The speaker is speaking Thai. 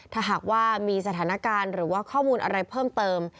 ถ้าหากว่ามีสถานการณ์หรือว่าข้อมูลอะไรเพิ่มเติม